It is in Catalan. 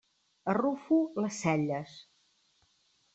Arrufo les celles.